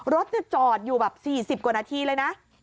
รถจะจอดอยู่แบบ๔๐กว่านาทีเลยนะ